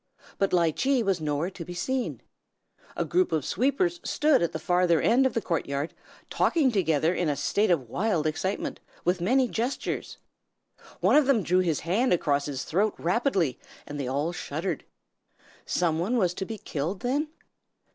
But Ly Chee was nowhere to be seen. A group of sweepers stood at the farther end of the court yard, talking together in a state of wild excitement, with many gestures. One of them drew his hand across his throat rapidly, and they all shuddered. Some one was to be killed, then?